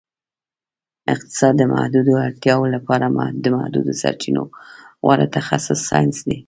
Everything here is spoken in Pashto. اقتصاد د محدودو اړتیاوو لپاره د محدودو سرچینو غوره تخصیص ساینس دی